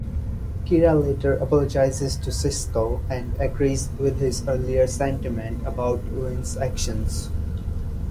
Kira later apologises to Sisko, and agrees with his earlier sentiment about Winn's actions.